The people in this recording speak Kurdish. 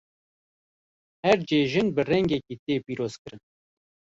Her cejin bi rengekî tê pîrozkirin.